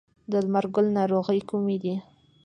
د لمر ګل ناروغۍ کومې دي؟